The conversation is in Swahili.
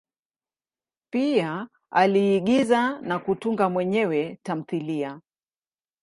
Pia aliigiza na kutunga mwenyewe tamthilia.